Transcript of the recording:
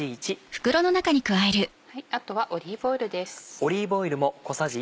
あとはオリーブオイルです。